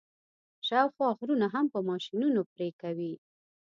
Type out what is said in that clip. شاوخوا غرونه هم په ماشینونو پرې کوي.